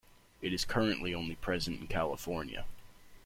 It is currently only present in California.